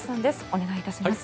お願いいたします。